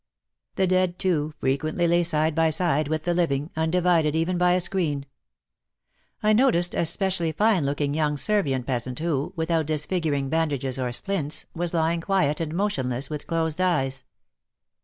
The dead, too, frequently lay side by side with the living, undivided even by a screen. I noticed a specially fine looking young Servian peasant, who, without disfiguring bandages or splints, was lying quiet and motionless with closed eyes.